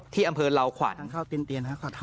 ที่อำเภอลาวขวัญ